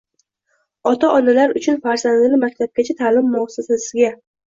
Ota-onalar uchun farzandini maktabgacha ta’lim muassasasiga